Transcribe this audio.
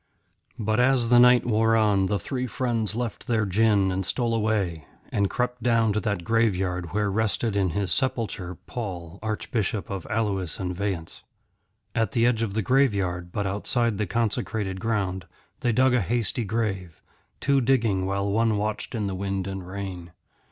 But as the night wore on the three friends left their gin and stole away, and crept down to that graveyard where rested in his sepulchre Paul, Archbishop of Alois and Vayence. At the edge of the graveyard, but outside the consecrated ground, they dug a hasty grave, two digging while one watched in the wind and rain.